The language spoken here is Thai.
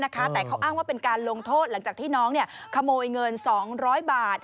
แต่เขาอ้างว่าเป็นการลงโทษหลังจากที่น้องขโมยเงิน๒๐๐บาท